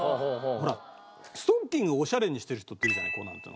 ほらストッキングをオシャレにしてる人っているじゃない。